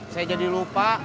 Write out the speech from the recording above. saya jadi lupa